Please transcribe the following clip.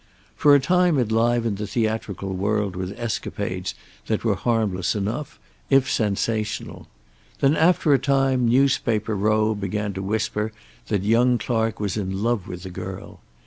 For a time it livened the theatrical world with escapades that were harmless enough, if sensational. Then, after a time, newspaper row began to whisper that young Clark was in love with the girl.